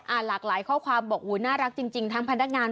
หลากหลายข้อความบอกน่ารักจริงทั้งพนักงาน